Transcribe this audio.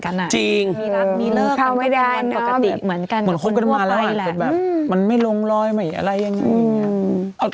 ขนาดนี้ละ